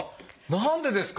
何でですか？